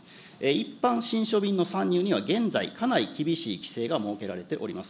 一般信書便の参入には現在、かなり厳しい規制が設けられております。